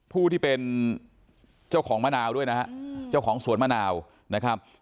ผู้ที่เป็นเจ้าของมะนาวด้วยนะฮะเจ้าของสวนมะนาวนะครับ